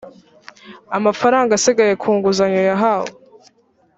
amafaranga asigaye ku nguzanyo yahawe